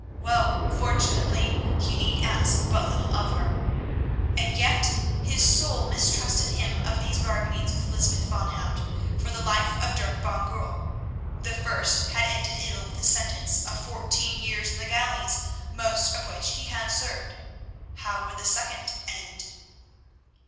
Well, fortunately, he need ask but little of her. And yet his soul mistrusted him of these bargainings with Lysbeth van Hout for the life of Dirk van Goorl. The first had ended ill with a sentence of fourteen years in the galleys, most of which he had served. How would the second end?